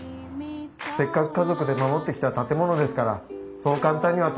せっかく家族で守ってきた建物ですからそう簡単には取り壊しませんよ。